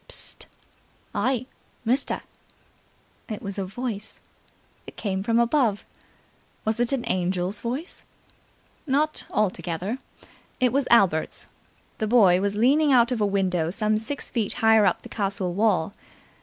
"Psst! Hey, mister!" It was a voice. It came from above. Was it an angel's voice? Not altogether. It was Albert's. The boy was leaning out of a window some six feet higher up the castle wall.